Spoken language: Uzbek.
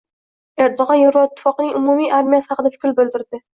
Erdo‘g‘an Yevroittifoqning umumiy armiyasi haqida fikr bildirding